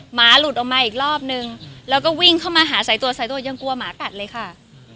หมาหลุดออกมาอีกรอบนึงแล้วก็วิ่งเข้ามาหาสายตัวสายตัวยังกลัวหมากัดเลยค่ะ